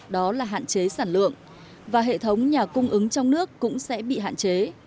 đó là hạn chế sản lượng và hệ thống nhà cung ứng trong nước cũng sẽ bị hạn chế